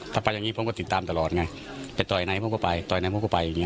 ถ้าไปอย่างนี้ผมก็ติดตามตลอดไงไปต่อยไหนผมก็ไปต่อยไหนผมก็ไปอย่างเง